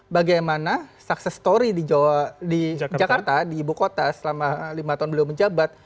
bagaimana sukses story di jakarta di ibu kota selama lima tahun beliau menjabat